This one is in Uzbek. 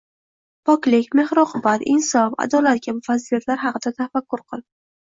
poklik, mehr-oqibat, insof, adolat kabi fazilatlar haqida tafakkur qil